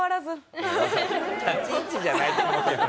立ち位置じゃないと思うけど。